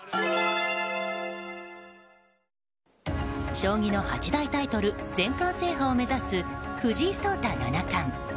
将棋の八大タイトル全冠制覇を目指す藤井聡太七冠。